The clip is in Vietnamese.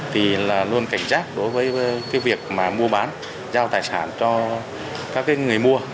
thì luôn cảnh giác đối với việc mua bán giao tài sản cho các người mua